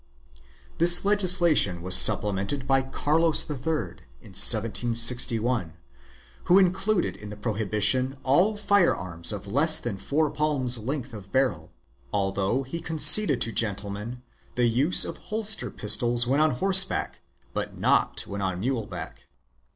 This legislation was supplemented by Carlos III, in 1761, who included in the prohibition all fire arms of less than four palms length of barrel, although he conceded to gentlemen the use of holster pistols when on horseback but not when on mule back.